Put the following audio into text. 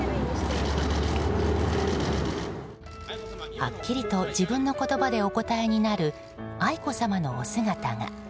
はっきりと自分の言葉でお答えになる愛子さまのお姿が。